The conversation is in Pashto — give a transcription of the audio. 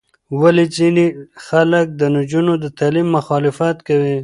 ولې ځینې خلک د نجونو د تعلیم مخالفت کوي؟